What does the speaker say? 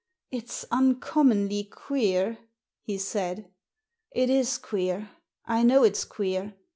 " It's uncommonly queer," he said. " It is queer ; I know it's queer.